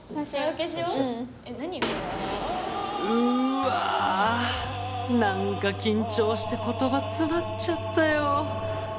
うわ何か緊張して言葉つまっちゃったよ